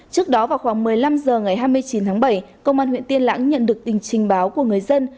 trước đó vào khoảng một mươi năm h ngày hai mươi chín tháng bảy công an huyện tiên lãng nhận được tình trình báo của người dân